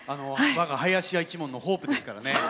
我が林家一門のホープですからね。